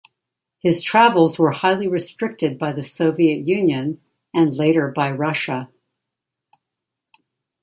His travels were highly restricted by the Soviet Union and later by Russia.